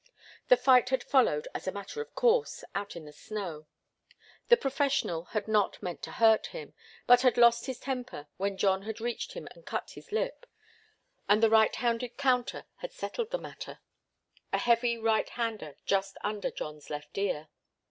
The fight had followed as a matter of course, out in the snow. The professional had not meant to hurt him, but had lost his temper when John had reached him and cut his lip, and a right handed counter had settled the matter a heavy right hander just under John's left ear.